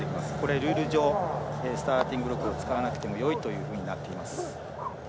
ルール上スターティングブロックを使わなくてもいいということになっています。